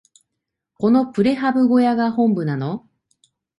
このプレハブ小屋が本部なの？